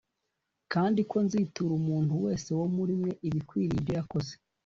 kandi ko nzītura umuntu wese wo muri mwe ibikwiriye ibyo yakoze.